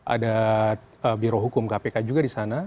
ada biro hukum kpk juga di sana